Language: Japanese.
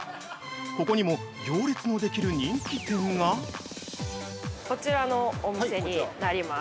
ここにも行列のできる人気店が◆こちらのお店になります。